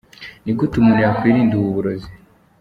Ni gute umuntu yakwirinda ubu burozi?.